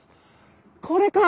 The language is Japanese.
これか。